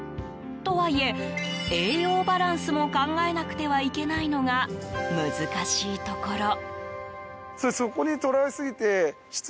とはいえ、栄養バランスも考えなくてはいけないのが難しいところ。